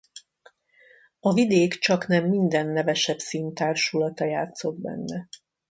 A vidék csaknem minden nevesebb színtársulata játszott benne.